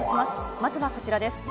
まずはこちらです。